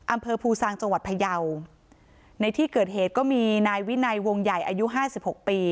อำเภอภูซางจังหวัดพยาวในที่เกิดเหตุก็มีนายวินัยวงใหญ่อายุห้าสิบหกปี